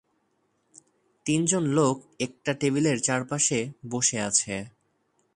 তিনজন লোক একটা টেবিলের চারপাশে বসে আছে।